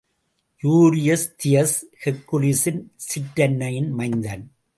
Eurystheus ஹெர்க்குலியசின் சிற்றன்னையின் மைந்தன்.